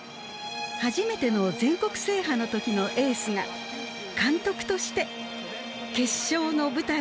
初めての全国制覇の時のエースが監督として決勝の舞台に戻ってきました。